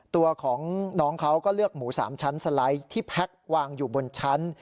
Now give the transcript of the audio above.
ตัวของน้องเขาก็เลือกหมู๓ชั้นสไลด์ที่แพ็ควางอยู่บนชั้น